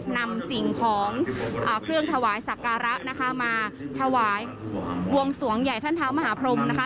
นำสิ่งของเครื่องถวายสักการะนะคะมาถวายบวงสวงใหญ่ท่านเท้ามหาพรมนะคะ